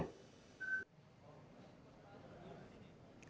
kementerian kesehatan dan kesehatan jawa haji